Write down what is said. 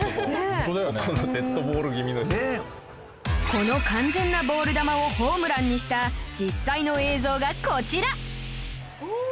この完全なボール球をホームランにした実際の映像がこちら！